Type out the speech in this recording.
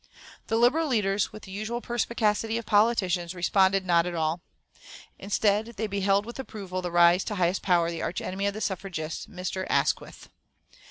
The Liberal leaders, with the usual perspicacity of politicians, responded not at all. Instead they beheld with approval the rise to highest power the arch enemy of the suffragists, Mr. Asquith.